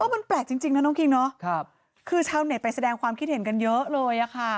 มันแปลกจริงนะน้องคิงเนาะคือชาวเน็ตไปแสดงความคิดเห็นกันเยอะเลยค่ะ